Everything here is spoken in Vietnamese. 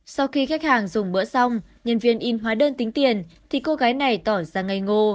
sau khi khách hàng dùng bữa xong nhân viên in hóa đơn tính tiền thì cô gái này tỏ ra ngay ngô